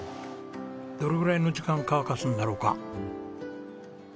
どのぐらいの時間乾かすんだろうか？